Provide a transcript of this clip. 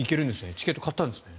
チケット買ったんですよね。